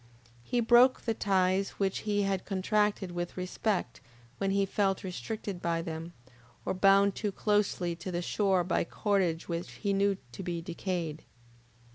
He broke the ties which he had contracted with respect when he felt restricted by them, or bound too closely to the shore by cordage which he knew to be decayed.